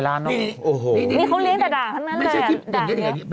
ส่วนนี้ก็ได้หลายล้านเนอะ